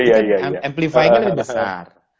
amplify nya lebih besar